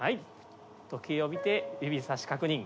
時計を見て指さし確認。